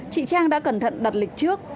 chị trang đã cẩn thận đặt lịch trước